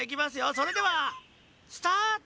それではスタート！